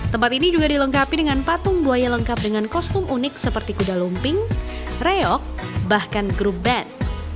tempat ini juga dilengkapi dengan patung buaya lengkap dengan kostum unik seperti kuda lumping reok bahkan grup band